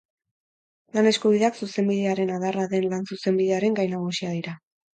Lan-eskubideak zuzenbidearen adarra den lan-zuzenbidearen gai nagusia dira.